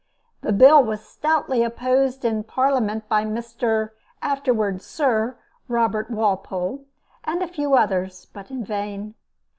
The bill was stoutly opposed in Parliament by Mr. afterwards Sir Robert Walpole, and a few others but in vain.